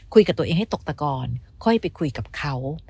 คุยกับตัวเองให้ตกตะกอนค่อยไปคุยกับเขา